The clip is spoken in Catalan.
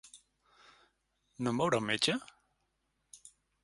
No em veurà un metge?